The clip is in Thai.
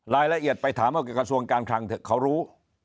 รายละเอียดไปถามว่ากระทรวงการคลังเถอะเขารู้